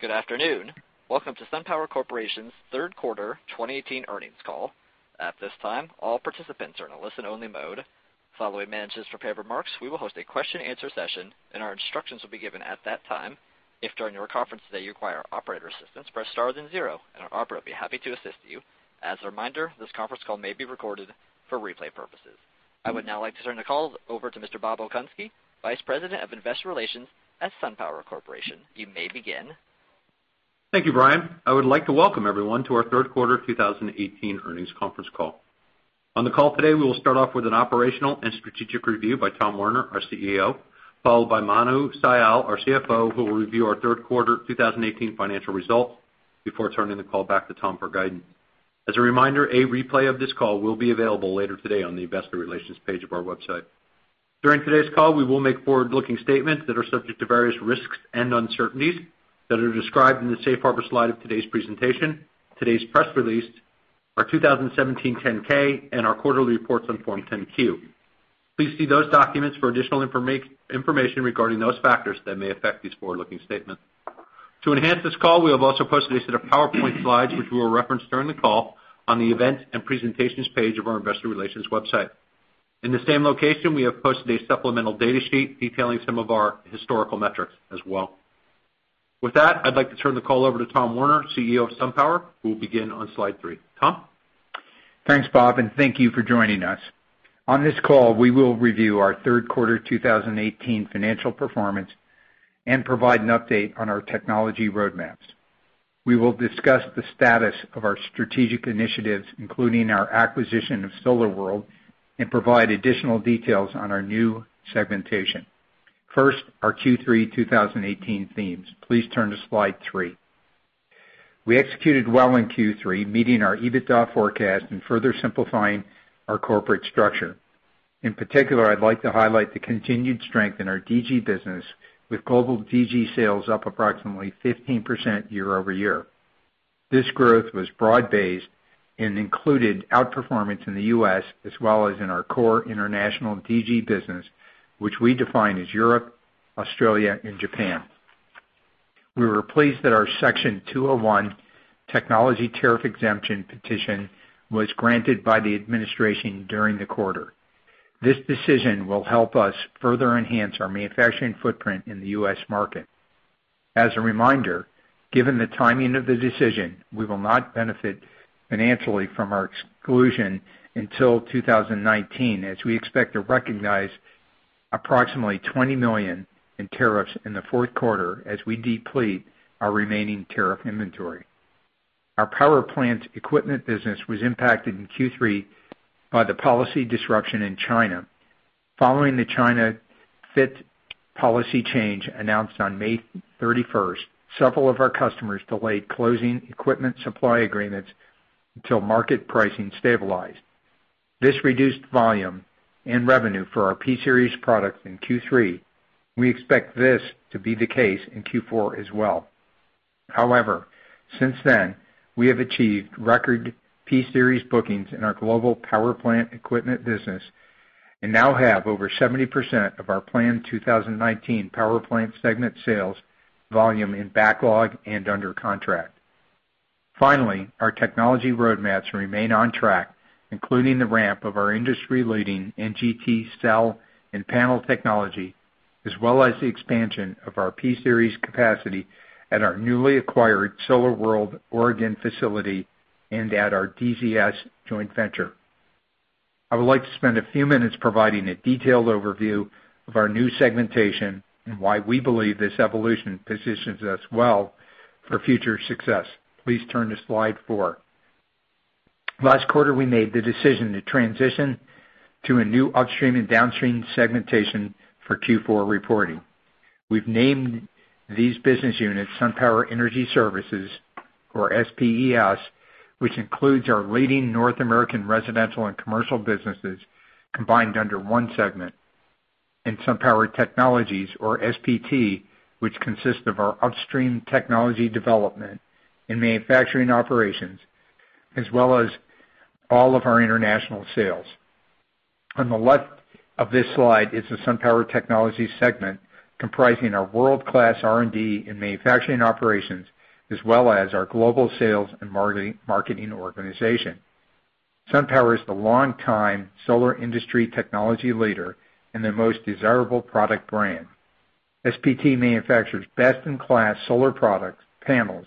Good afternoon. Welcome to SunPower Corporation's third quarter 2018 earnings call. At this time, all participants are in a listen-only mode. Following management's prepared remarks, we will host a question and answer session, and our instructions will be given at that time. If, during our conference today, you require operator assistance, press star then zero, and an operator will be happy to assist you. As a reminder, this conference call may be recorded for replay purposes. I would now like to turn the call over to Mr. Bob Okunski, Vice President of Investor Relations at SunPower Corporation. You may begin. Thank you, Brian. I would like to welcome everyone to our third quarter 2018 earnings conference call. On the call today, we will start off with an operational and strategic review by Tom Werner, our CEO, followed by Manavendra Sial, our CFO, who will review our third quarter 2018 financial results before turning the call back to Tom for guidance. As a reminder, a replay of this call will be available later today on the investor relations page of our website. During today's call, we will make forward-looking statements that are subject to various risks and uncertainties that are described in the safe harbor slide of today's presentation, today's press release, our 2017 10-K, and our quarterly reports on Form 10-Q. Please see those documents for additional information regarding those factors that may affect these forward-looking statements. To enhance this call, we have also posted a set of PowerPoint slides, which we will reference during the call on the events and presentations page of our investor relations website. In the same location, we have posted a supplemental data sheet detailing some of our historical metrics as well. With that, I'd like to turn the call over to Tom Werner, CEO of SunPower, who will begin on slide three. Tom? Thanks, Bob, and thank you for joining us. On this call, we will review our third quarter 2018 financial performance and provide an update on our technology roadmaps. We will discuss the status of our strategic initiatives, including our acquisition of SolarWorld, and provide additional details on our new segmentation. First, our Q3 2018 themes. Please turn to slide three. We executed well in Q3, meeting our EBITDA forecast and further simplifying our corporate structure. In particular, I'd like to highlight the continued strength in our DG business with global DG sales up approximately 15% year-over-year. This growth was broad-based and included outperformance in the U.S. as well as in our core international DG business, which we define as Europe, Australia, and Japan. We were pleased that our Section 201 technology tariff exemption petition was granted by the administration during the quarter. This decision will help us further enhance our manufacturing footprint in the U.S. market. As a reminder, given the timing of the decision, we will not benefit financially from our exclusion until 2019, as we expect to recognize approximately $20 million in tariffs in the fourth quarter as we deplete our remaining tariff inventory. Our power plant equipment business was impacted in Q3 by the policy disruption in China. Following the China FIT policy change announced on May 31st, several of our customers delayed closing equipment supply agreements until market pricing stabilized. This reduced volume and revenue for our P-Series products in Q3. We expect this to be the case in Q4 as well. Since then, we have achieved record P-Series bookings in our global power plant equipment business and now have over 70% of our planned 2019 power plant segment sales volume in backlog and under contract. Our technology roadmaps remain on track, including the ramp of our industry-leading NGT cell and panel technology, as well as the expansion of our P-Series capacity at our newly acquired SolarWorld Oregon facility and at our DZS joint venture. I would like to spend a few minutes providing a detailed overview of our new segmentation and why we believe this evolution positions us well for future success. Please turn to slide four. Last quarter, we made the decision to transition to a new upstream and downstream segmentation for Q4 reporting. We've named these business units SunPower Energy Services, or SPES, which includes our leading North American residential and commercial businesses combined under one segment, and SunPower Technologies, or SPT, which consists of our upstream technology development and manufacturing operations, as well as all of our international sales. On the left of this slide is the SunPower Technologies segment comprising our world-class R&D and manufacturing operations, as well as our global sales and marketing organization. SunPower is the longtime solar industry technology leader and the most desirable product brand. SPT manufactures best-in-class solar product panels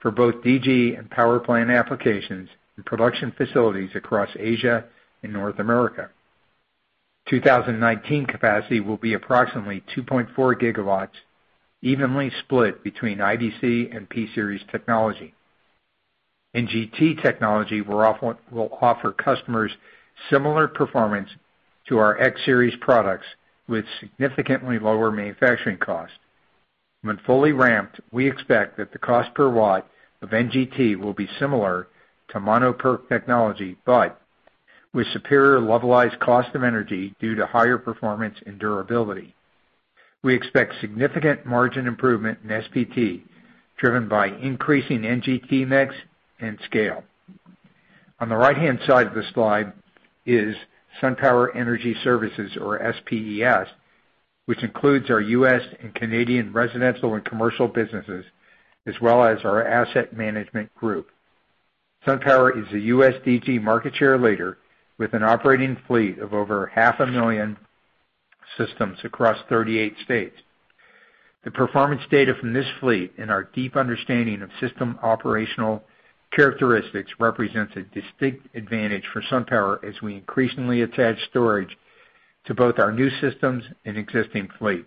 for both DG and power plant applications in production facilities across Asia and North America. 2019 capacity will be approximately 2.4 gigawatts evenly split between IBC and P-Series technology. NGT technology will offer customers similar performance to our X-Series products with significantly lower manufacturing cost. When fully ramped, we expect that the cost per watt of NGT will be similar to mono-PERC technology, but with superior levelized cost of energy due to higher performance and durability. We expect significant margin improvement in SPT driven by increasing NGT mix and scale. On the right-hand side of the slide is SunPower Energy Services, or SPES, which includes our U.S. and Canadian residential and commercial businesses, as well as our asset management group. SunPower is a U.S. DG market share leader with an operating fleet of over half a million systems across 38 states. The performance data from this fleet and our deep understanding of system operational characteristics represents a distinct advantage for SunPower as we increasingly attach storage to both our new systems and existing fleet.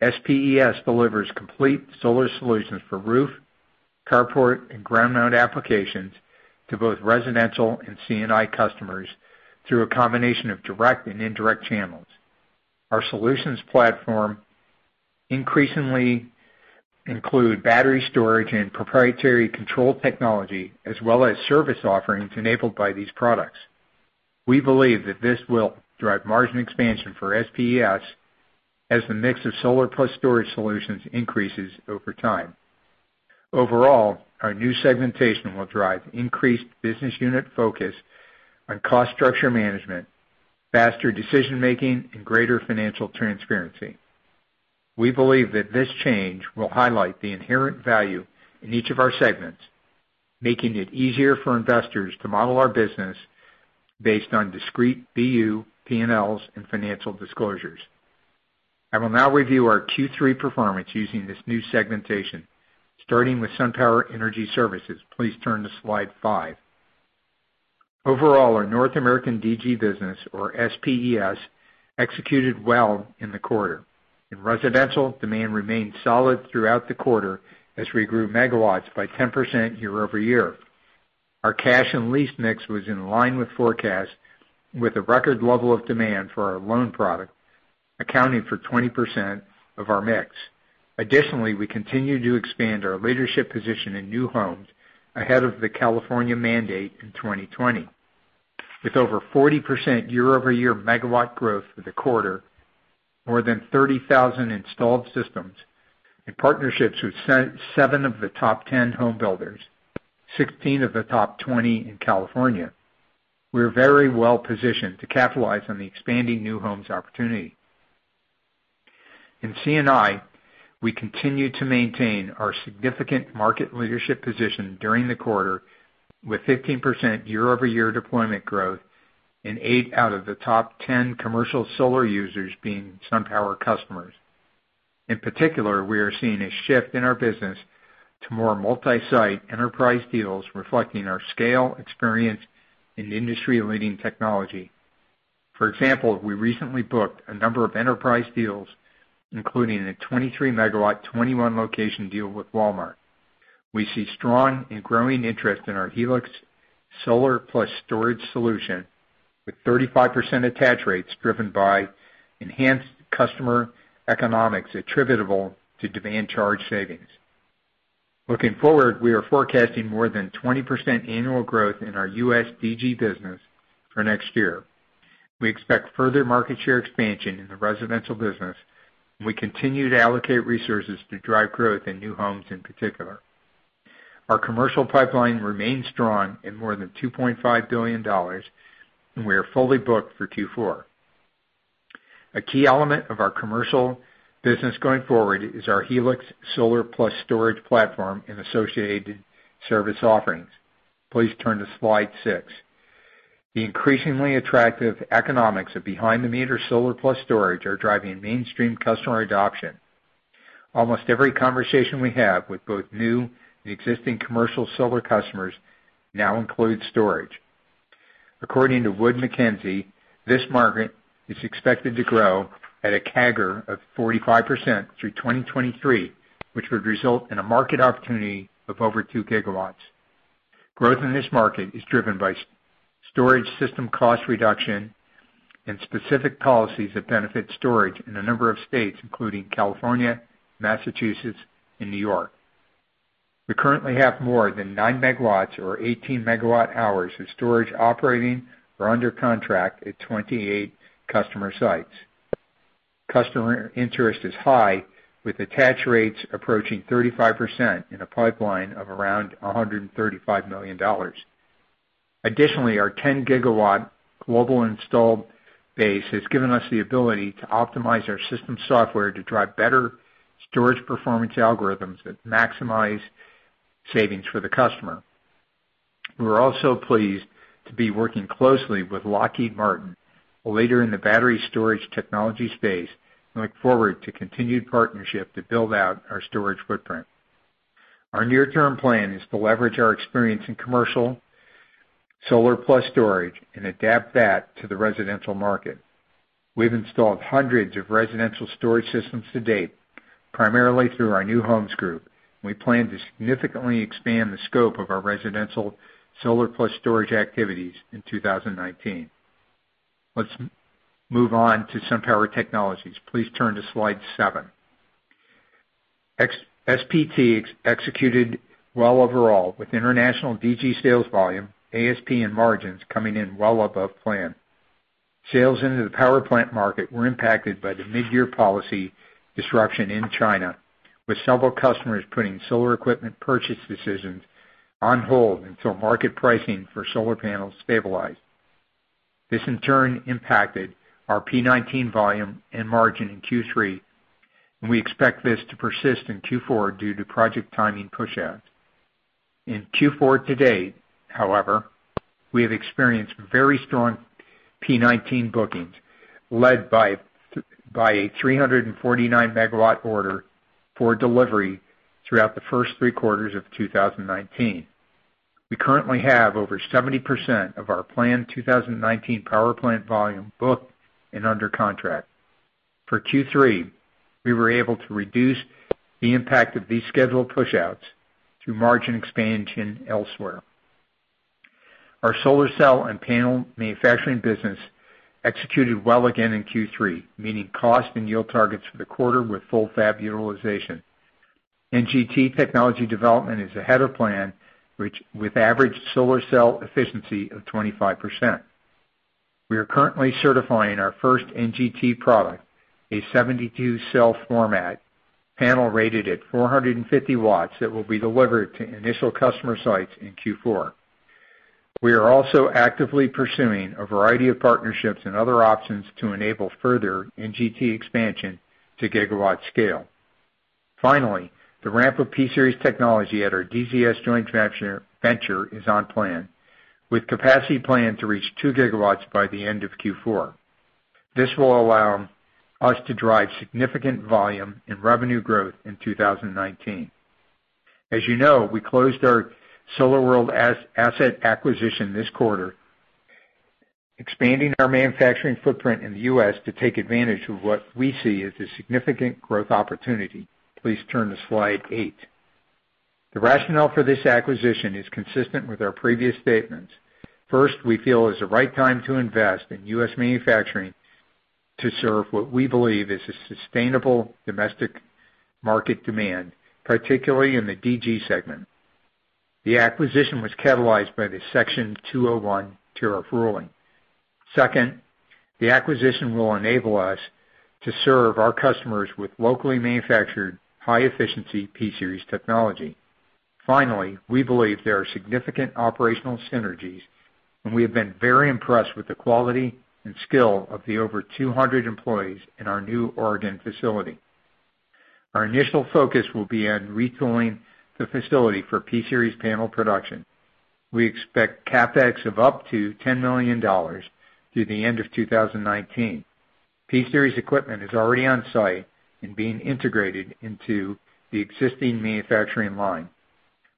SPES delivers complete solar solutions for roof, carport, and ground mount applications to both residential and C&I customers through a combination of direct and indirect channels. Our solutions platform increasingly include battery storage and proprietary control technology, as well as service offerings enabled by these products. We believe that this will drive margin expansion for SPES as the mix of solar plus storage solutions increases over time. Overall, our new segmentation will drive increased business unit focus on cost structure management, faster decision-making, and greater financial transparency. We believe that this change will highlight the inherent value in each of our segments, making it easier for investors to model our business based on discrete BU, P&Ls, and financial disclosures. I will now review our Q3 performance using this new segmentation. Starting with SunPower Energy Services, please turn to slide five. Overall, our North American DG business, or SPES, executed well in the quarter. In residential, demand remained solid throughout the quarter as we grew megawatts by 10% year-over-year. Our cash and lease mix was in line with forecast, with a record level of demand for our loan product, accounting for 20% of our mix. Additionally, we continue to expand our leadership position in new homes ahead of the California mandate in 2020. With over 40% year-over-year megawatt growth for the quarter, more than 30,000 installed systems, and partnerships with seven of the top 10 home builders, 16 of the top 20 in California, we are very well positioned to capitalize on the expanding new homes opportunity. In C&I, we continued to maintain our significant market leadership position during the quarter with 15% year-over-year deployment growth and eight out of the top 10 commercial solar users being SunPower customers. In particular, we are seeing a shift in our business to more multi-site enterprise deals reflecting our scale, experience, and industry-leading technology. For example, we recently booked a number of enterprise deals, including a 23-megawatt, 21-location deal with Walmart. We see strong and growing interest in our Helix solar plus storage solution with 35% attach rates driven by enhanced customer economics attributable to demand charge savings. Looking forward, we are forecasting more than 20% annual growth in our U.S. DG business for next year. We expect further market share expansion in the residential business. We continue to allocate resources to drive growth in new homes in particular. Our commercial pipeline remains strong at more than $2.5 billion, and we are fully booked for Q4. A key element of our commercial business going forward is our Helix solar plus storage platform and associated service offerings. Please turn to slide six. The increasingly attractive economics of behind-the-meter solar plus storage are driving mainstream customer adoption. Almost every conversation we have with both new and existing commercial solar customers now includes storage. According to Wood Mackenzie, this market is expected to grow at a CAGR of 45% through 2023, which would result in a market opportunity of over two gigawatts. Growth in this market is driven by storage system cost reduction and specific policies that benefit storage in a number of states, including California, Massachusetts, and New York. We currently have more than nine megawatts or 18 megawatt-hours of storage operating or under contract at 28 customer sites. Customer interest is high, with attach rates approaching 35% and a pipeline of around $135 million. Additionally, our 10-gigawatt global installed base has given us the ability to optimize our system software to drive better storage performance algorithms that maximize savings for the customer. We are also pleased to be working closely with Lockheed Martin, a leader in the battery storage technology space, and look forward to continued partnership to build out our storage footprint. Our near-term plan is to leverage our experience in commercial solar plus storage and adapt that to the residential market. We've installed hundreds of residential storage systems to date, primarily through our new homes group. We plan to significantly expand the scope of our residential solar plus storage activities in 2019. Let's move on to SunPower Technologies. Please turn to slide seven. SPT executed well overall with international DG sales volume, ASP, and margins coming in well above plan. Sales into the power plant market were impacted by the mid-year policy disruption in China, with several customers putting solar equipment purchase decisions on hold until market pricing for solar panels stabilized. This, in turn, impacted our P19 volume and margin in Q3, and we expect this to persist in Q4 due to project timing pushouts. In Q4 to date, however, we have experienced very strong P19 bookings led by a 349 MW order for delivery throughout the first three quarters of 2019. We currently have over 70% of our planned 2019 power plant volume booked and under contract. For Q3, we were able to reduce the impact of these schedule pushouts through margin expansion elsewhere. Our solar cell and panel manufacturing business executed well again in Q3, meeting cost and yield targets for the quarter with full fab utilization. NGT technology development is ahead of plan with average solar cell efficiency of 25%. We are currently certifying our first NGT product, a 72-cell format panel rated at 450 W, that will be delivered to initial customer sites in Q4. We are also actively pursuing a variety of partnerships and other options to enable further NGT expansion to gigawatt scale. The ramp of P-Series technology at our DZS joint venture is on plan, with capacity planned to reach 2 GW by the end of Q4. This will allow us to drive significant volume and revenue growth in 2019. As you know, we closed our SolarWorld asset acquisition this quarter, expanding our manufacturing footprint in the U.S. to take advantage of what we see as a significant growth opportunity. Please turn to slide eight. The rationale for this acquisition is consistent with our previous statements. First, we feel it's the right time to invest in U.S. manufacturing to serve what we believe is a sustainable domestic market demand, particularly in the DG segment. The acquisition was catalyzed by the Section 201 tariff ruling. Second, the acquisition will enable us to serve our customers with locally manufactured, high-efficiency P-Series technology. We believe there are significant operational synergies, and we have been very impressed with the quality and skill of the over 200 employees in our new Oregon facility. Our initial focus will be on retooling the facility for P-Series panel production. We expect CapEx of up to $10 million through the end of 2019. P-Series equipment is already on-site and being integrated into the existing manufacturing line.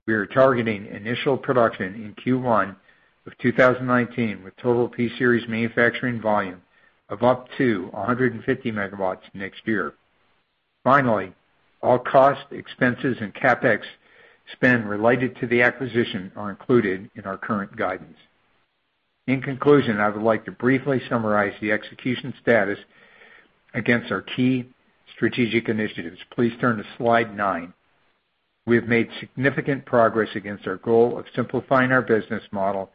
We are targeting initial production in Q1 of 2019, with total P-Series manufacturing volume of up to 150 MW next year. All cost expenses and CapEx spend related to the acquisition are included in our current guidance. I would like to briefly summarize the execution status against our key strategic initiatives. Please turn to slide nine. We have made significant progress against our goal of simplifying our business model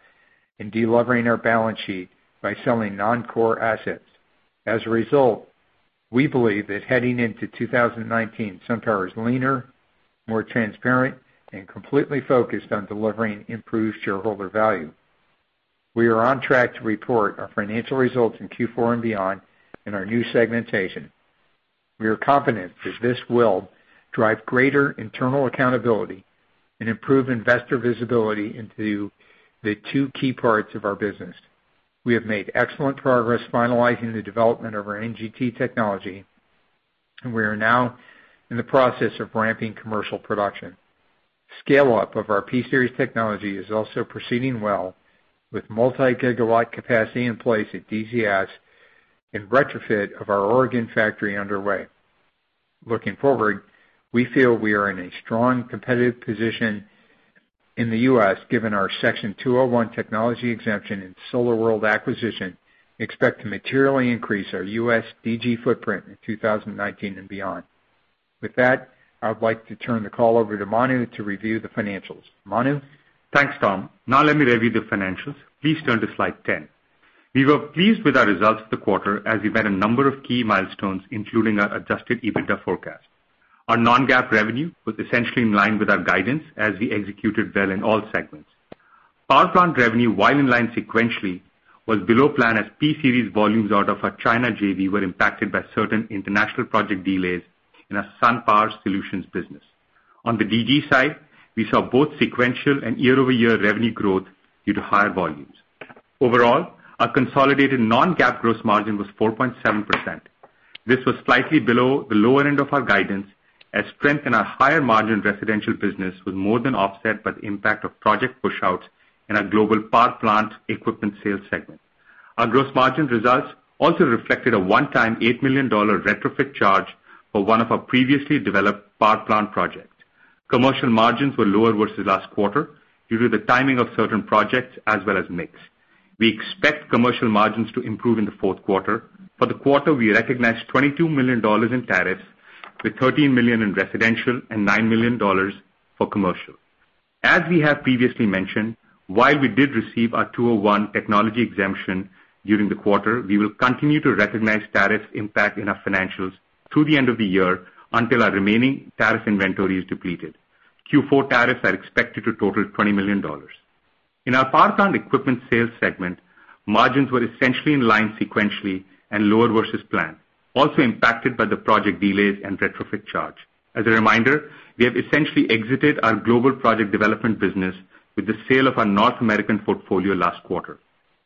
and de-levering our balance sheet by selling non-core assets. As a result, we believe that heading into 2019, SunPower is leaner, more transparent, and completely focused on delivering improved shareholder value. We are on track to report our financial results in Q4 and beyond in our new segmentation. We are confident that this will drive greater internal accountability and improve investor visibility into the two key parts of our business. We have made excellent progress finalizing the development of our NGT technology, and we are now in the process of ramping commercial production. Scale-up of our P-Series technology is also proceeding well, with multi-gigawatt capacity in place at DZS and retrofit of our Oregon factory underway. Looking forward, we feel we are in a strong competitive position in the U.S., given our Section 201 technology exemption, and SolarWorld acquisition expect to materially increase our U.S. DG footprint in 2019 and beyond. With that, I would like to turn the call over to Manu to review the financials. Manu? Thanks, Tom. Now let me review the financials. Please turn to slide 10. We were pleased with our results for the quarter, as we met a number of key milestones, including our adjusted EBITDA forecast. Our non-GAAP revenue was essentially in line with our guidance as we executed well in all segments. Power plant revenue, while in line sequentially, was below plan as P-Series volumes out of our China JV were impacted by certain international project delays in our SunPower Solutions business. On the DG side, we saw both sequential and year-over-year revenue growth due to higher volumes. Overall, our consolidated non-GAAP gross margin was 4.7%. This was slightly below the lower end of our guidance as strength in our higher-margin residential business was more than offset by the impact of project pushouts in our global power plant equipment sales segment. Our gross margin results also reflected a one-time $8 million retrofit charge for one of our previously developed power plant projects. Commercial margins were lower versus last quarter due to the timing of certain projects as well as mix. We expect commercial margins to improve in the fourth quarter. For the quarter, we recognized $22 million in tariffs, with $13 million in residential and $9 million for commercial. As we have previously mentioned, while we did receive our 201 technology exemption during the quarter, we will continue to recognize tariff impact in our financials through the end of the year until our remaining tariff inventory is depleted. Q4 tariffs are expected to total $20 million. In our Power Plant Equipment Sales segment, margins were essentially in line sequentially and lower versus plan, also impacted by the project delays and retrofit charge. As a reminder, we have essentially exited our global project development business with the sale of our North American portfolio last quarter.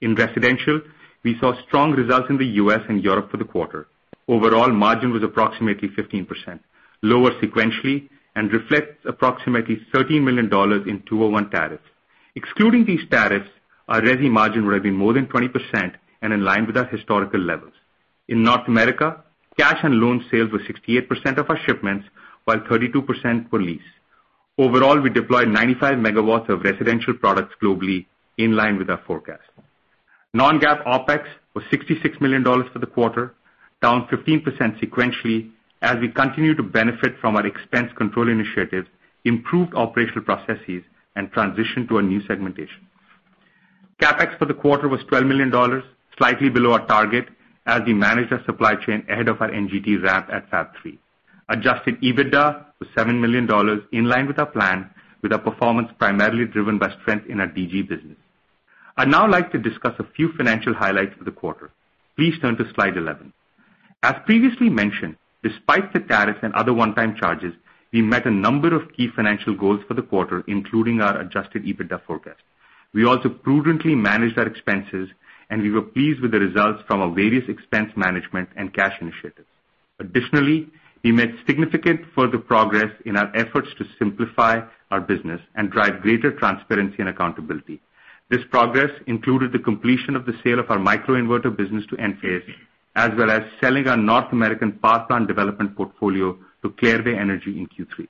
In residential, we saw strong results in the U.S. and Europe for the quarter. Overall margin was approximately 15%, lower sequentially, and reflects approximately $30 million in 201 tariffs. Excluding these tariffs, our resi margin would have been more than 20% and in line with our historical levels. In North America, cash and loan sales were 68% of our shipments, while 32% were lease. Overall, we deployed 95 MW of residential products globally in line with our forecast. Non-GAAP OPEX was $66 million for the quarter, down 15% sequentially as we continue to benefit from our expense control initiatives, improved operational processes, and transition to a new segmentation. CapEx for the quarter was $12 million, slightly below our target as we managed our supply chain ahead of our NGT ramp at Fab3. Adjusted EBITDA was $7 million, in line with our plan with our performance primarily driven by strength in our DG business. I'd now like to discuss a few financial highlights for the quarter. Please turn to slide 11. As previously mentioned, despite the tariff and other one-time charges, we met a number of key financial goals for the quarter, including our adjusted EBITDA forecast. We also prudently managed our expenses, we were pleased with the results from our various expense management and cash initiatives. Additionally, we made significant further progress in our efforts to simplify our business and drive greater transparency and accountability. This progress included the completion of the sale of our microinverter business to Enphase, as well as selling our North American Power Plant development portfolio to Clearway Energy in Q3.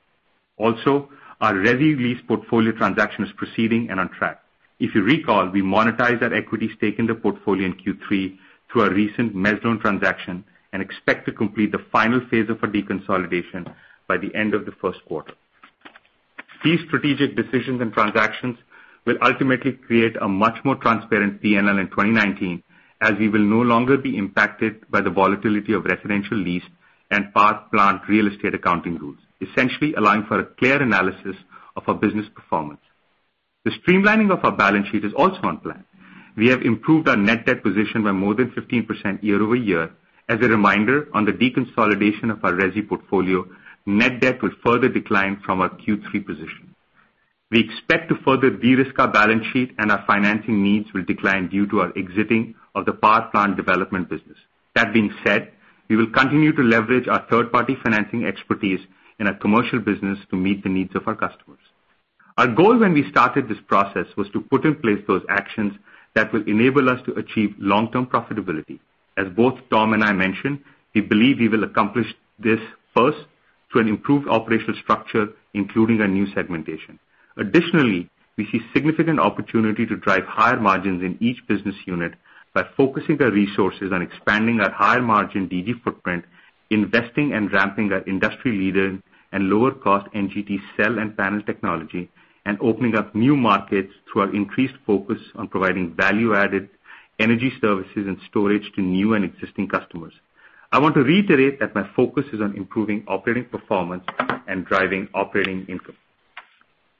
Our resi lease portfolio transaction is proceeding and on track. If you recall, we monetized our equity stake in the portfolio in Q3 through our recent Mezz loan transaction and expect to complete the final phase of our deconsolidation by the end of the first quarter. These strategic decisions and transactions will ultimately create a much more transparent PNL in 2019, as we will no longer be impacted by the volatility of residential lease and Power Plant real estate accounting rules, essentially allowing for a clear analysis of our business performance. The streamlining of our balance sheet is also on plan. We have improved our net debt position by more than 15% year-over-year. As a reminder, on the deconsolidation of our resi portfolio, net debt will further decline from our Q3 position. We expect to further de-risk our balance sheet, our financing needs will decline due to our exiting of the Power Plant development business. That being said, we will continue to leverage our third-party financing expertise in our commercial business to meet the needs of our customers. Our goal when we started this process was to put in place those actions that will enable us to achieve long-term profitability. As both Tom and I mentioned, we believe we will accomplish this first through an improved operational structure, including our new segmentation. Additionally, we see significant opportunity to drive higher margins in each business unit by focusing the resources on expanding our high-margin DG footprint, investing and ramping our industry-leading and lower-cost NGT cell and panel technology, and opening up new markets through our increased focus on providing value-added energy services and storage to new and existing customers. I want to reiterate that my focus is on improving operating performance and driving operating income.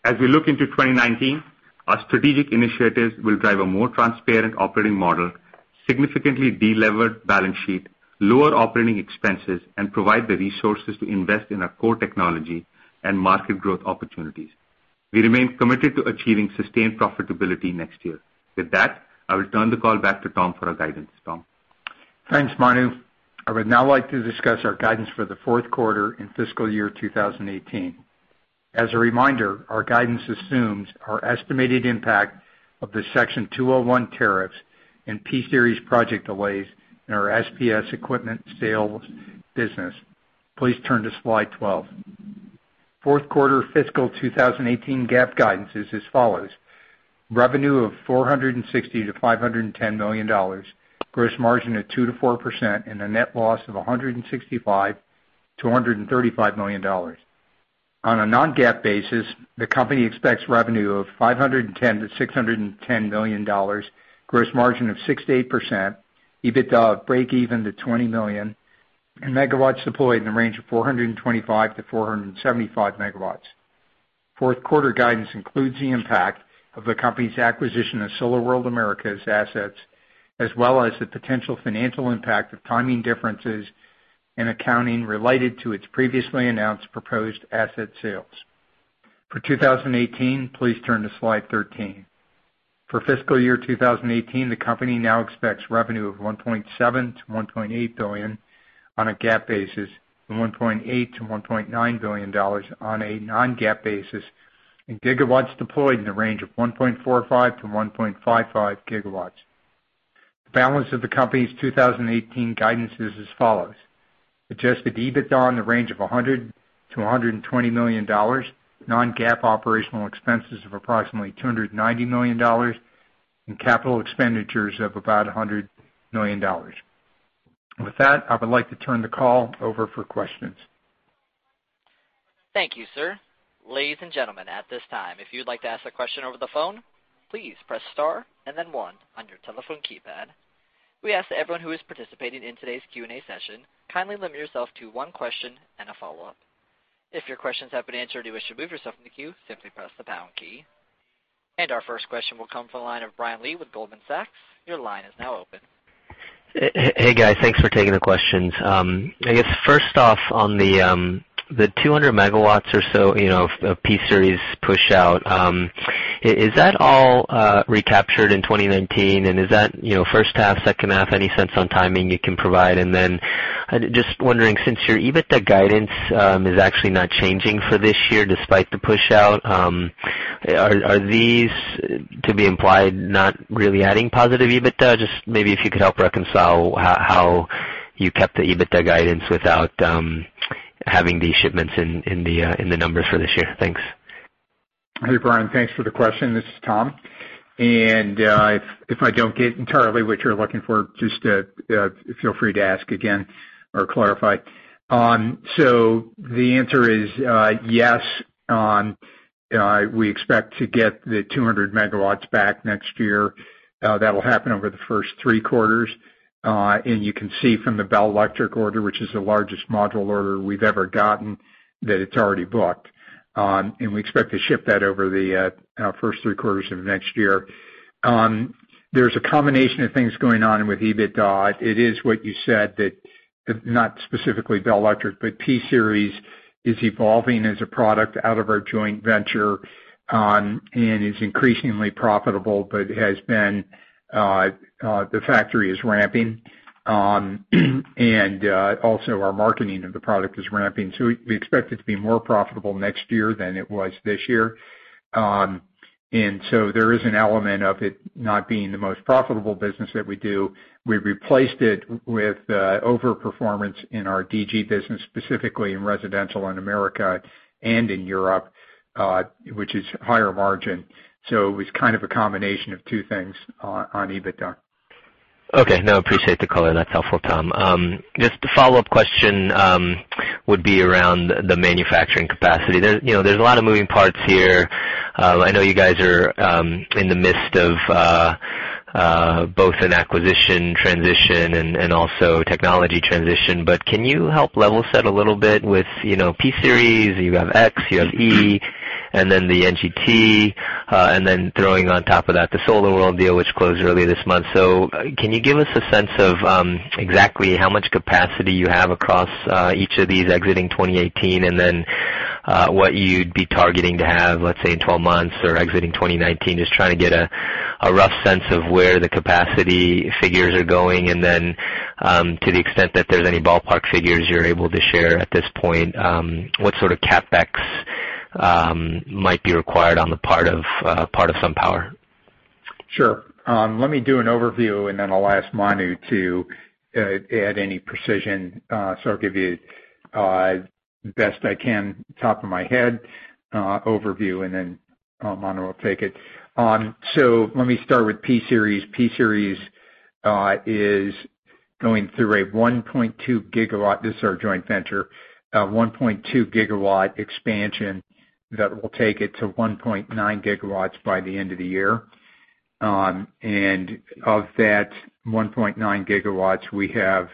As we look into 2019, our strategic initiatives will drive a more transparent operating model, significantly de-levered balance sheet, lower operating expenses, and provide the resources to invest in our core technology and market growth opportunities. We remain committed to achieving sustained profitability next year. With that, I will turn the call back to Tom for our guidance. Tom? Thanks, Manu. I would now like to discuss our guidance for the fourth quarter and fiscal year 2018. As a reminder, our guidance assumes our estimated impact of the Section 201 tariffs and P-Series project delays in our SPS equipment sales business. Please turn to slide 12. Fourth quarter fiscal 2018 GAAP guidance is as follows: revenue of $460 million-$510 million, gross margin of 2%-4%, and a net loss of $165 million-$135 million. On a non-GAAP basis, the company expects revenue of $510 million-$610 million, gross margin of 6%-8%, EBITDA of breakeven to $20 million, and megawatts deployed in the range of 425-475 megawatts. Fourth quarter guidance includes the impact of the company's acquisition of SolarWorld Americas assets, as well as the potential financial impact of timing differences in accounting related to its previously announced proposed asset sales. For 2018, please turn to slide 13. For fiscal year 2018, the company now expects revenue of $1.7 billion-$1.8 billion on a GAAP basis, and $1.8 billion-$1.9 billion on a non-GAAP basis, and gigawatts deployed in the range of 1.45-1.55 gigawatts. The balance of the company's 2018 guidance is as follows: adjusted EBITDA in the range of $100 million-$120 million, non-GAAP operational expenses of approximately $290 million, and capital expenditures of about $100 million. With that, I would like to turn the call over for questions. Thank you, sir. Ladies and gentlemen, at this time, if you'd like to ask a question over the phone, please press star and then one on your telephone keypad. We ask that everyone who is participating in today's Q&A session, kindly limit yourself to one question and a follow-up. If your questions have been answered or wish to move yourself from the queue, simply press the pound key. Our first question will come from the line of Brian Lee with Goldman Sachs. Your line is now open. Hey, guys. Thanks for taking the questions. I guess first off on the 200 MW or so of P-Series push out, is that all recaptured in 2019? Is that first half, second half, any sense on timing you can provide? Just wondering, since your EBITDA guidance is actually not changing for this year despite the push out, are these to be implied not really adding positive EBITDA? Just maybe if you could help reconcile how you kept the EBITDA guidance without having these shipments in the numbers for this year. Thanks. Hey, Brian. Thanks for the question. This is Tom. If I don't get entirely what you're looking for, just feel free to ask again or clarify. The answer is yes on we expect to get the 200 MW back next year. That'll happen over the first three quarters. You can see from the BELECTRIC order, which is the largest module order we've ever gotten, that it's already booked. We expect to ship that over the first three quarters of next year. There's a combination of things going on with EBITDA. It is what you said that, not specifically BELECTRIC, but P-Series is evolving as a product out of our joint venture and is increasingly profitable, but the factory is ramping, and also our marketing of the product is ramping. We expect it to be more profitable next year than it was this year. There is an element of it not being the most profitable business that we do. We replaced it with over-performance in our DG business, specifically in residential in America and in Europe, which is higher margin. It was kind of a combination of two things on EBITDA. Okay. No, appreciate the color. That's helpful, Tom. Just a follow-up question would be around the manufacturing capacity. There's a lot of moving parts here. I know you guys are in the midst of both an acquisition transition and also technology transition. Can you help level set a little bit with P-Series? You have X, you have E, and then the NGT, and then throwing on top of that, the SolarWorld deal, which closed earlier this month. Can you give us a sense of exactly how much capacity you have across each of these exiting 2018, and then what you'd be targeting to have, let's say, in 12 months or exiting 2019? Just trying to get a rough sense of where the capacity figures are going and then to the extent that there's any ballpark figures you're able to share at this point, what sort of CapEx might be required on the part of SunPower? Sure. Let me do an overview, then I'll ask Manu to add any precision. I'll give you the best I can top of my head overview, then Manu will take it. Let me start with P-Series. P-Series is going through a 1.2 gigawatt, this is our joint venture, a 1.2 gigawatt expansion that will take it to 1.9 gigawatts by the end of the year. Of that 1.9 gigawatts, we have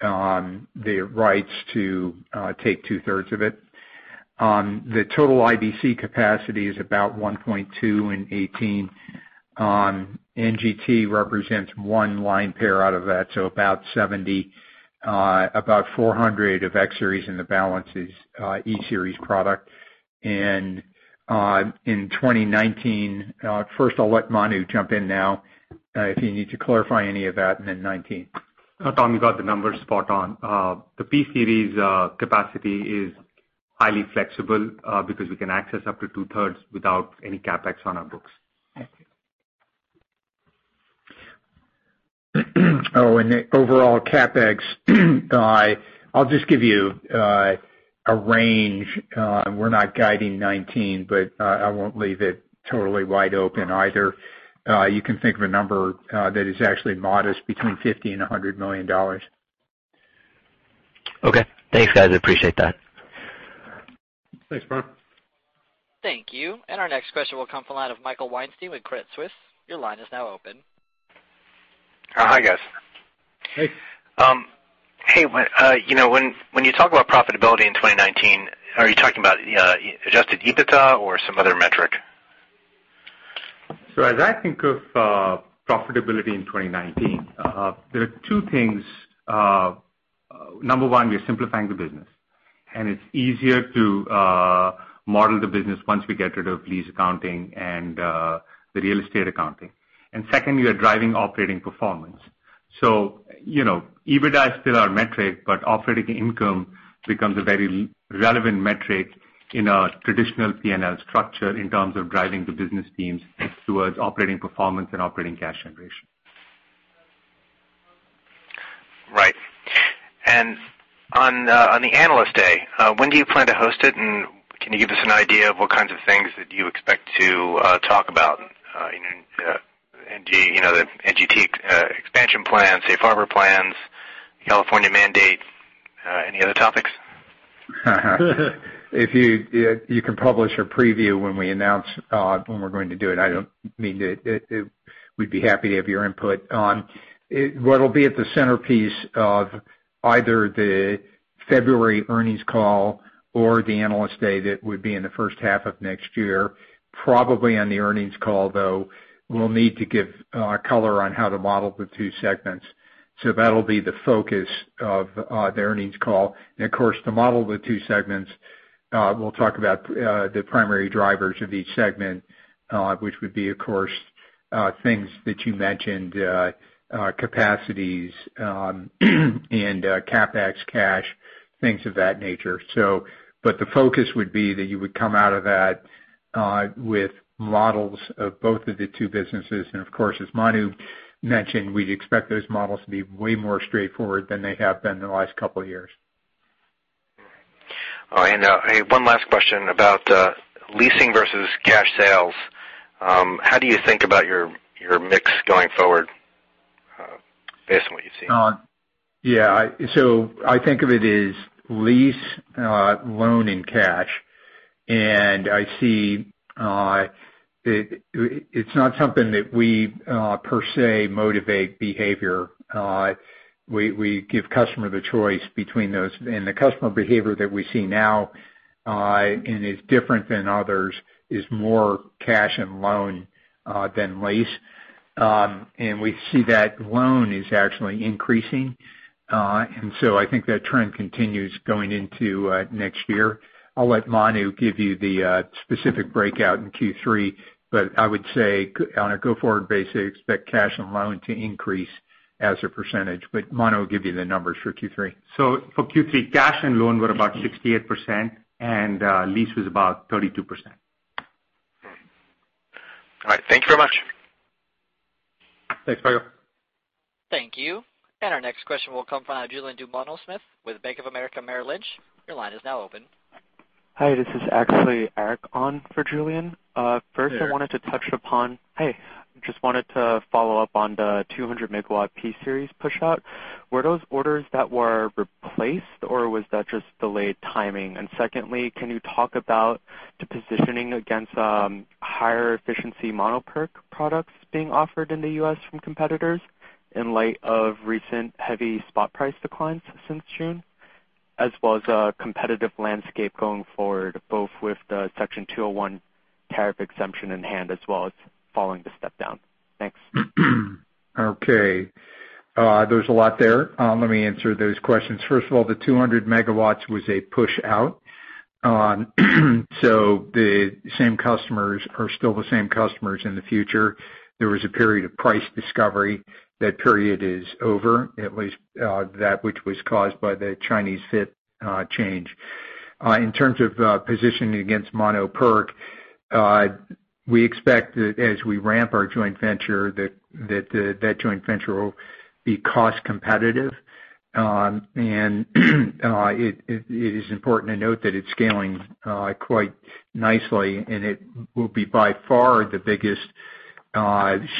the rights to take two-thirds of it. The total IBC capacity is about 1.2 in 2018. NGT represents one line pair out of that, so about 70, about 400 of X-Series in the balance is E-Series product. In 2019, first I'll let Manu jump in now if he needs to clarify any of that in 2019. No, Tom, you got the numbers spot on. The P-Series capacity is highly flexible because we can access up to two-thirds without any CapEx on our books. Thank you. overall CapEx, I'll just give you a range. We're not guiding 2019, I won't leave it totally wide open either. You can think of a number that is actually modest between $50 million-$100 million. Okay. Thanks, guys. I appreciate that. Thanks, Brian. Thank you. Our next question will come from the line of Michael Weinstein with Credit Suisse. Your line is now open. Hi, guys. Hey. Hey. When you talk about profitability in 2019, are you talking about adjusted EBITDA or some other metric? As I think of profitability in 2019, there are two things. Number one, we are simplifying the business, and it's easier to model the business once we get rid of lease accounting and the real estate accounting. Second, we are driving operating performance. EBITDA is still our metric, but operating income becomes a very relevant metric in our traditional P&L structure in terms of driving the business teams towards operating performance and operating cash generation. Right. On the Analyst Day, when do you plan to host it? Can you give us an idea of what kinds of things that you expect to talk about? The NGT expansion plans, Safe Harbor plans, California mandate, any other topics? You can publish a preview when we announce when we're going to do it. We'd be happy to have your input on what'll be at the centerpiece of either the February earnings call or the Analyst Day that would be in the first half of next year. Probably on the earnings call, though, we'll need to give color on how to model the two segments. That'll be the focus of the earnings call. Of course, to model the two segments, we'll talk about the primary drivers of each segment, which would be, of course, things that you mentioned, capacities, and CapEx cash, things of that nature. The focus would be that you would come out of that with models of both of the two businesses, and of course, as Manu mentioned, we'd expect those models to be way more straightforward than they have been in the last couple of years. All right. One last question about leasing versus cash sales. How do you think about your mix going forward based on what you see? Yeah. I think of it as lease, loan, and cash, I see it's not something that we per se motivate behavior. We give customer the choice between those. The customer behavior that we see now, and is different than others, is more cash and loan than lease. We see that loan is actually increasing, I think that trend continues going into next year. I'll let Manu give you the specific breakout in Q3, but I would say on a go-forward basis, expect cash and loan to increase as a percentage. Manu will give you the numbers for Q3. For Q3, cash and loan were about 68%, and lease was about 32%. All right. Thank you very much. Thanks, Michael. Thank you. Our next question will come from Julien Dumoulin-Smith with Bank of America Merrill Lynch. Your line is now open. Hi, this is actually Eric on for Julien. Hey, Eric. Hey. Just wanted to follow up on the 200 megawatts P-Series push-out. Were those orders that were replaced, or was that just delayed timing? Secondly, can you talk about the positioning against higher-efficiency mono-PERC products being offered in the U.S. from competitors in light of recent heavy spot price declines since June, as well as competitive landscape going forward, both with the Section 201 tariff exemption in hand as well as following the step-down? Thanks. Okay. There's a lot there. Let me answer those questions. First of all, the 200 megawatts was a pushout, so the same customers are still the same customers in the future. There was a period of price discovery. That period is over, at least that which was caused by the Chinese FIT change. In terms of positioning against mono-PERC, we expect that as we ramp our joint venture, that joint venture will be cost competitive. It is important to note that it's scaling quite nicely, and it will be by far the biggest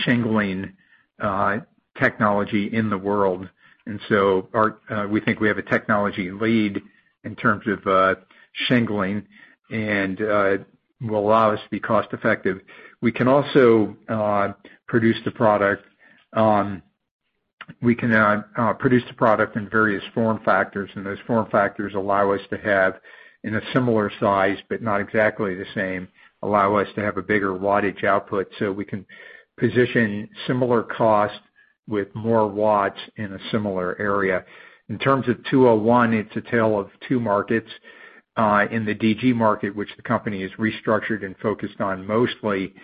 shingling technology in the world. We think we have a technology lead in terms of shingling, and it will allow us to be cost effective. We can also produce the product in various form factors, and those form factors allow us to have in a similar size, but not exactly the same, allow us to have a bigger wattage output so we can position similar cost with more watts in a similar area. In terms of 201, it is a tale of two markets. In the DG market, which the company has restructured and focused on mostly,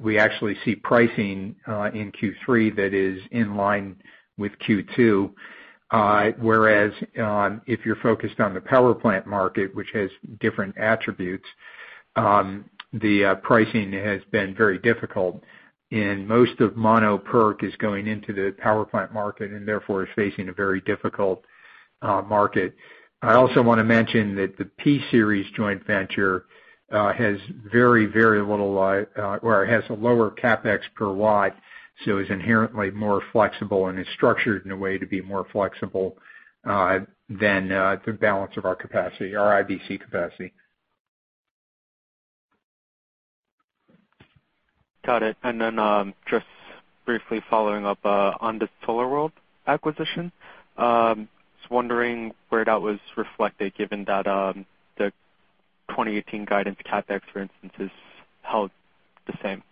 we actually see pricing in Q3 that is in line with Q2. Whereas if you are focused on the power plant market, which has different attributes, the pricing has been very difficult, and most of mono-PERC is going into the power plant market, and therefore is facing a very difficult market. I also want to mention that the P-Series joint venture has very little or it has a lower CapEx per watt, so is inherently more flexible and is structured in a way to be more flexible than the balance of our capacity, our IBC capacity. Got it. Then just briefly following up on the SolarWorld acquisition. Just wondering where that was reflected given that the 2018 guidance CapEx, for instance, is held the same.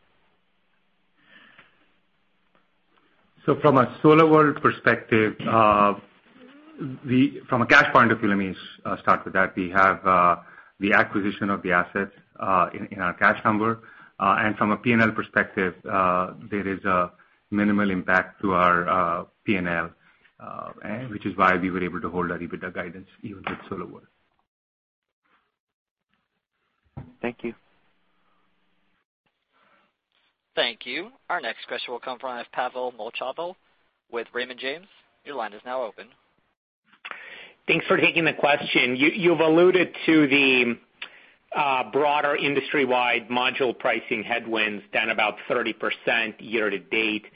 From a SolarWorld perspective, from a cash point of view, let me start with that. We have the acquisition of the assets in our cash number. From a P&L perspective, there is a minimal impact to our P&L, which is why we were able to hold our EBITDA guidance even with SolarWorld. Thank you. Thank you. Our next question will come from Pavel Molchanov with Raymond James. Your line is now open. Thanks for taking the question. You've alluded to the broader industry-wide module pricing headwinds down about 30% year to date.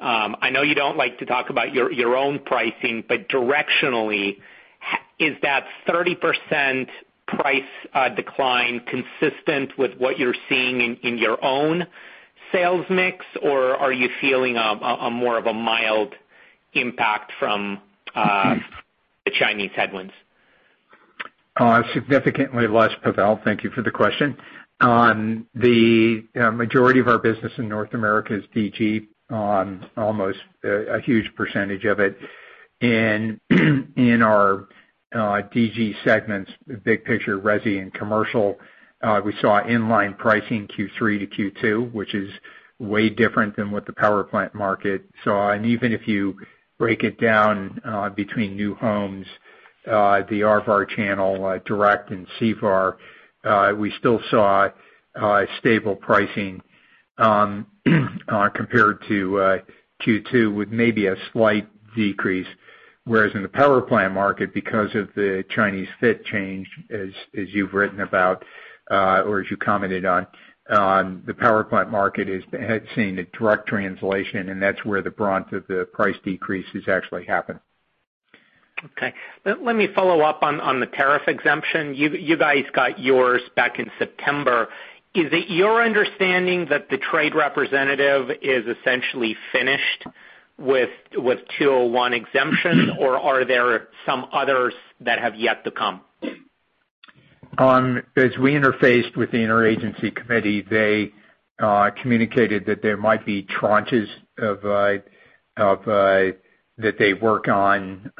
I know you don't like to talk about your own pricing, but directionally, is that 30% price decline consistent with what you're seeing in your own sales mix? Or are you feeling more of a mild impact from the Chinese headwinds? Significantly less, Pavel. Thank you for the question. The majority of our business in North America is DG, almost a huge percentage of it. In our DG segments, big picture resi and commercial, we saw inline pricing Q3 to Q2, which is way different than what the power plant market saw. Even if you break it down between new homes, the RVAR channel, direct, and CVaR, we still saw stable pricing compared to Q2 with maybe a slight decrease. Whereas in the power plant market, because of the Chinese FiT change as you've written about or as you commented on, the power plant market had seen a direct translation, and that's where the brunt of the price decreases actually happened. Okay. Let me follow up on the tariff exemption. You guys got yours back in September. Is it your understanding that the trade representative is essentially finished with 201 exemption, or are there some others that have yet to come? As we interfaced with the interagency committee, they communicated that there might be tranches that they work on.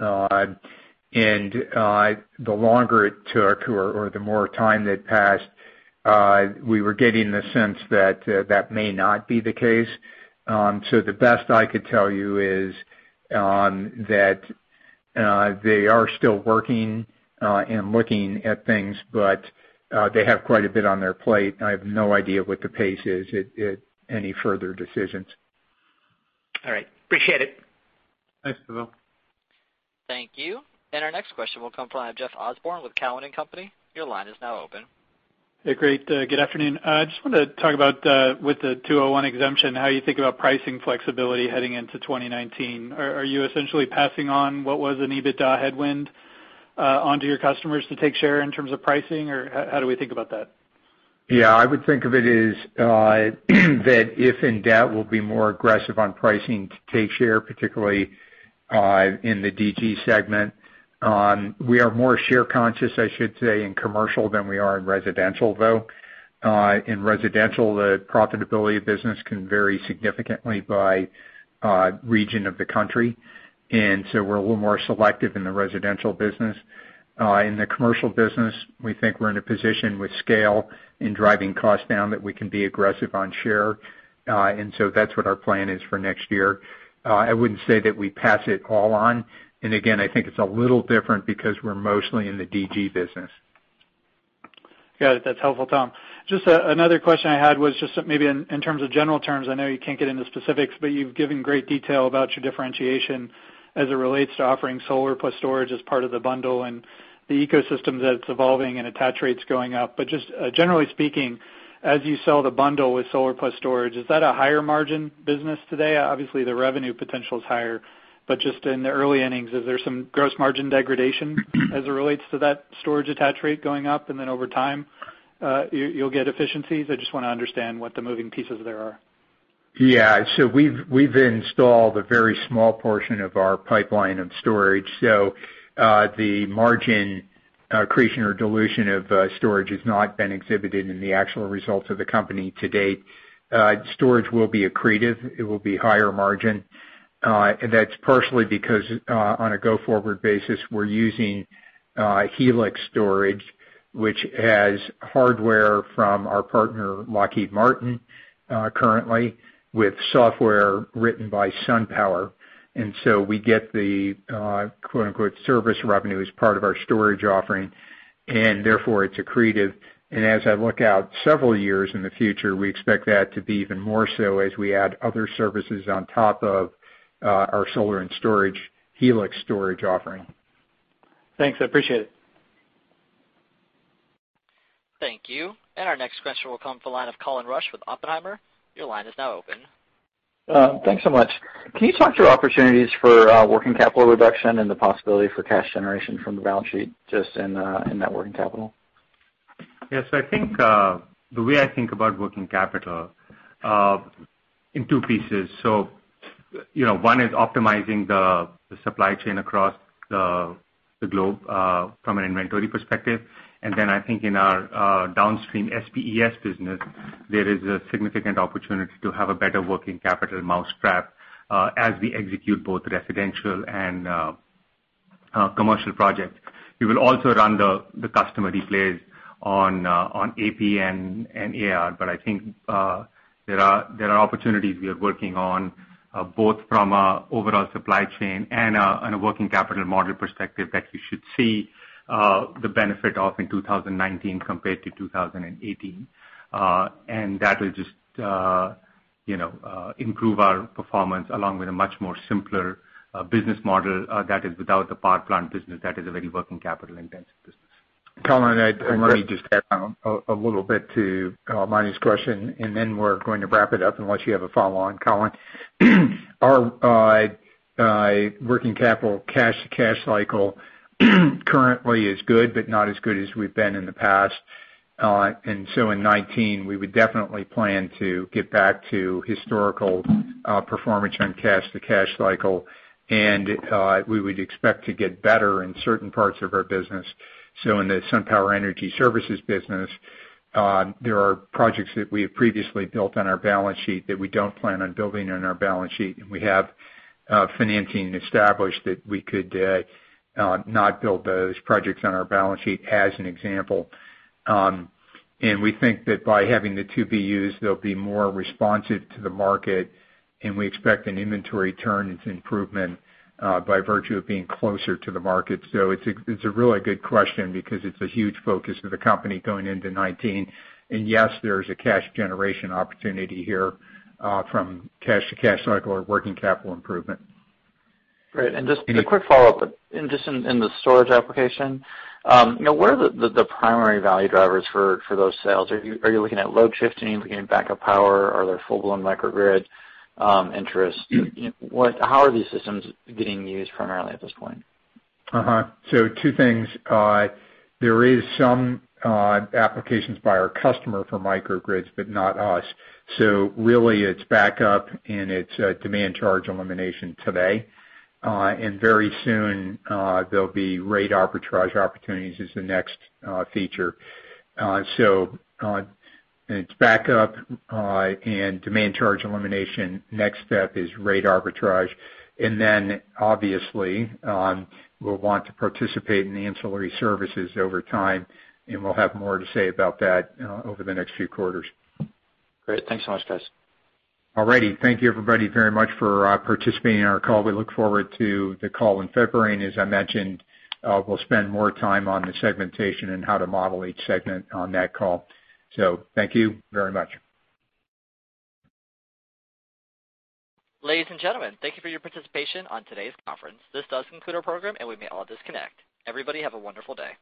The longer it took or the more time that passed, we were getting the sense that may not be the case. The best I could tell you is that they are still working and looking at things, but they have quite a bit on their plate. I have no idea what the pace is at any further decisions. All right. Appreciate it. Thanks, Pavel. Thank you. Our next question will come from Jeff Osborne with Cowen and Company. Your line is now open. Hey, great. Good afternoon. I just wanted to talk about with the 201 exemption, how you think about pricing flexibility heading into 2019. Are you essentially passing on what was an EBITDA headwind onto your customers to take share in terms of pricing, or how do we think about that? Yeah, I would think of it is that indeed, we'll be more aggressive on pricing to take share, particularly in the DG segment. We are more share conscious, I should say, in commercial than we are in residential, though. In residential, the profitability of business can vary significantly by region of the country, so we're a little more selective in the residential business. In the commercial business, we think we're in a position with scale in driving costs down that we can be aggressive on share. So that's what our plan is for next year. I wouldn't say that we pass it all on. Again, I think it's a little different because we're mostly in the DG business. Got it. That's helpful, Tom. Just another question I had was just maybe in general terms, I know you can't get into specifics, you've given great detail about your differentiation as it relates to offering solar plus storage as part of the bundle and the ecosystems that it's evolving and attach rates going up. Just generally speaking, as you sell the bundle with solar plus storage, is that a higher margin business today? Obviously, the revenue potential is higher, but just in the early innings, is there some gross margin degradation as it relates to that storage attach rate going up and then over time you'll get efficiencies? I just want to understand what the moving pieces there are. Yeah. We've installed a very small portion of our pipeline of storage. The margin creation or dilution of storage has not been exhibited in the actual results of the company to date. Storage will be accretive, it will be higher margin. That's partially because on a go-forward basis, we're using Helix storage, which has hardware from our partner, Lockheed Martin, currently with software written by SunPower. We get the "service revenue" as part of our storage offering, and therefore it's accretive. As I look out several years in the future, we expect that to be even more so as we add other services on top of our solar and storage, Helix storage offering. Thanks. I appreciate it. Thank you. Our next question will come the line of Colin Rusch with Oppenheimer. Your line is now open. Thanks so much. Can you talk through opportunities for working capital reduction and the possibility for cash generation from the balance sheet just in that working capital? Yes, the way I think about working capital in two pieces. One is optimizing the supply chain across the globe from an inventory perspective. I think in our downstream SPES business, there is a significant opportunity to have a better working capital mousetrap as we execute both residential and commercial projects. We will also run the customer replays on AP and AR, but I think there are opportunities we are working on both from an overall supply chain and a working capital model perspective that you should see the benefit of in 2019 compared to 2018. That will just improve our performance along with a much more simpler business model that is without the power plant business that is a very working capital-intensive business. Colin, let me just add a little bit to Mani's question, then we're going to wrap it up unless you have a follow-on, Colin. Our working capital cash cycle currently is good, but not as good as we've been in the past. In 2019, we would definitely plan to get back to historical performance on cash-to-cash cycle, and we would expect to get better in certain parts of our business. In the SunPower Energy Services business, there are projects that we have previously built on our balance sheet that we don't plan on building on our balance sheet, and we have financing established that we could not build those projects on our balance sheet as an example. We think that by having the two BUs, they'll be more responsive to the market, and we expect an inventory turn improvement by virtue of being closer to the market. It's a really good question because it's a huge focus of the company going into 2019. Yes, there's a cash generation opportunity here from cash-to-cash cycle or working capital improvement. Great. Just a quick follow-up. Just in the storage application, what are the primary value drivers for those sales? Are you looking at load shifting? Are you looking at backup power? Are there full-blown microgrid interest? How are these systems getting used primarily at this point? Two things. There is some applications by our customer for microgrids, but not us. Really it's backup and it's demand charge elimination today. Very soon, there'll be rate arbitrage opportunities as the next feature. It's backup and demand charge elimination. Next step is rate arbitrage. Obviously, we'll want to participate in the ancillary services over time, and we'll have more to say about that over the next few quarters. Great. Thanks so much, guys. All righty. Thank you everybody very much for participating in our call. We look forward to the call in February, and as I mentioned, we'll spend more time on the segmentation and how to model each segment on that call. Thank you very much. Ladies and gentlemen, thank you for your participation on today's conference. This does conclude our program, and we may all disconnect. Everybody have a wonderful day.